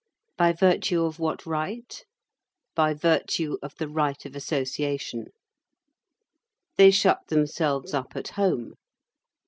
By virtue of what right? By virtue of the right of association. They shut themselves up at home.